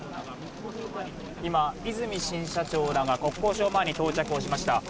今、和泉新社長らが国交省前に到着しました。